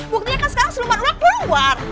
buktinya kan sekarang siluman ular keluar